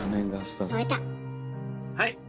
はい！